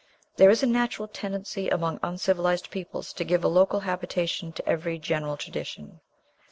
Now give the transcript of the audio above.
There is a natural tendency among uncivilized peoples to give a "local habitation" to every general tradition.